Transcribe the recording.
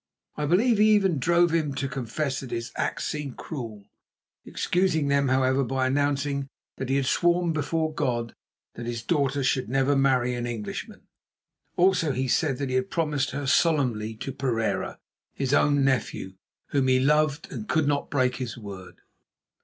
I believe he even drove him to confess that his acts seemed cruel, excusing them, however, by announcing that he had sworn before God that his daughter should never marry an Englishman. Also he said that he had promised her solemnly to Pereira, his own nephew, whom he loved, and could not break his word.